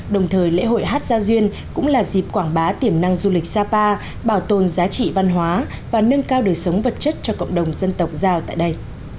đồng thời lễ hội hát gia duyên cũng là dịp quảng bá tiềm năng du lịch sapa bảo tồn giá trị văn hóa và nâng cao đời sống vật chất cho cộng đồng dân tộc giao tại đây